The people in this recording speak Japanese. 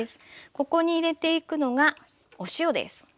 ここに入れていくのがお塩です。